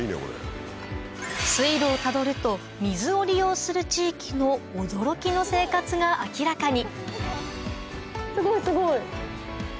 水路をたどると水を利用する地域の驚きの生活が明らかにすごいすごい！